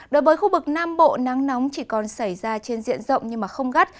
đối với khu vực nam bộ nắng nóng chỉ còn xảy ra trên diện rộng nhưng không gắt